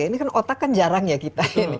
ini kan otak kan jarang ya kita